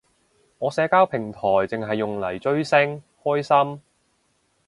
我社交平台剩係用嚟追星，開心